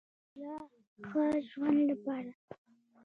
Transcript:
د لا ښه ژوند لپاره.